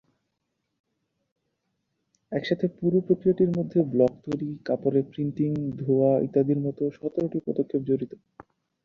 একসাথে পুরো প্রক্রিয়াটির মধ্যে ব্লক তৈরি, কাপড়ে প্রিন্টিং, ধোয়া ইত্যাদির মতো সতেরোটি পদক্ষেপ জড়িত।